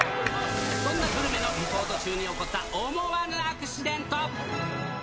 そんなグルメのリポート中に起こった思わぬアクシデント。